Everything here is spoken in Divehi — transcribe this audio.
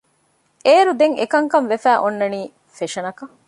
އޭރުދެން އެކަންކަން ވެފައި އޮންނަނީ ފެޝަނަކަށް